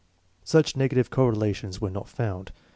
Such negative correlations were not found.